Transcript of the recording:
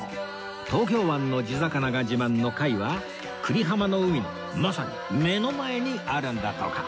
東京湾の地魚が自慢の「海」は久里浜の海のまさに目の前にあるんだとか